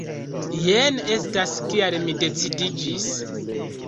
Jen estas kial mi decidiĝis.